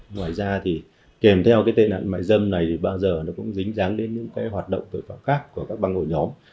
ngoài ra thì kèm theo cái tệ nạn mại dâm này thì bao giờ nó cũng dính dáng đến những cái hoạt động tội phạm khác của các băng ổ nhóm